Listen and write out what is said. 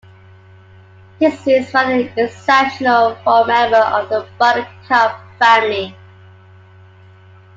This is rather exceptional for a member of the buttercup family.